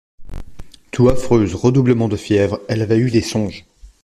Toux affreuse, redoublement de fièvre ; elle avait eu des songes.